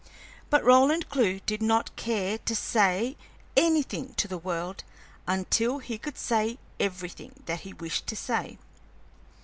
But Roland Clewe did not care to say anything to the world until he could say everything that he wished to say.